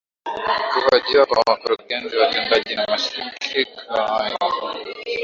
kuhojiwa kwa wakurugenzi watendaji wa mashirika hayo